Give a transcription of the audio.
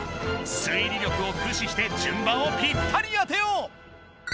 推理力をくしして順番をぴったり当てよう！